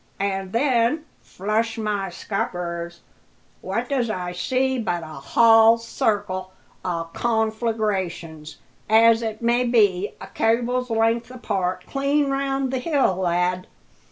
An' then, flush, my scuppers! what does I see but a hull sarcle o' confleegrations, as it may be a cable's len'th apart, clean round the hill; lad!